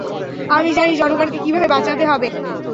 আমি জানি জনগণকে কীভাবে বাঁচাতে হবে।